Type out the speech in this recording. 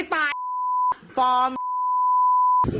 สลายหมู่